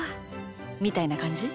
みたいなかんじ？